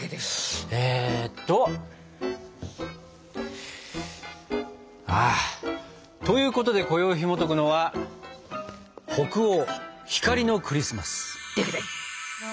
えっと。ということでこよいひもとくのは「北欧光のクリスマス」。